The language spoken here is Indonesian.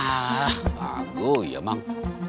ah bagus ya emang